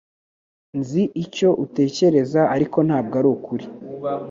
Nzi icyo utekereza ariko ntabwo arukuri